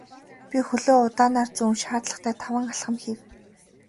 Би хөлөө удаанаар зөөн шаардлагатай таван алхам хийв.